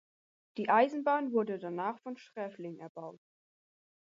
Die Eisenbahn wurde danach von Sträflingen erbaut.